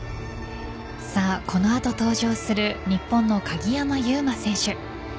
この後、登場する日本の鍵山優真選手。